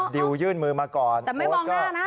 ดิวยื่นมือมาก่อนแต่ไม่มองหน้านะ